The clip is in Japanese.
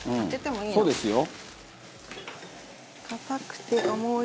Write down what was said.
「うんそうですよ」